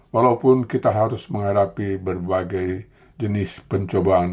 walaupun kita harus menghadapi berbagai jenis pencobaan